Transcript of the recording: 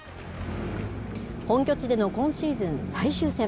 本拠地での今シーズン最終戦。